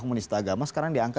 menista agama sekarang di angka